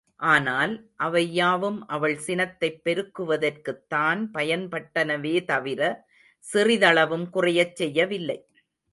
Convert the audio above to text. ஆனால், அவை யாவும் அவள் சினத்தைப் பெருக்குவதற்குத்தான் பயன்பட்டனவே தவிர, சிறிதளவும் குறையச் செய்யவில்லை.